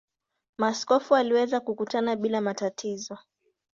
Maaskofu waliweza kukutana bila matatizo.